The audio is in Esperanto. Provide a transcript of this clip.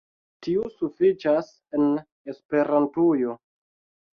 Tiu sufiĉas en Esperantujo